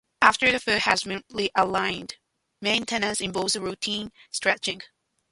After the foot has been realigned, maintenance involves routine stretching.